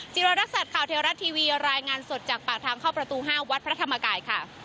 วรรณรักษัตริย์ข่าวเทวรัฐทีวีรายงานสดจากปากทางเข้าประตู๕วัดพระธรรมกายค่ะ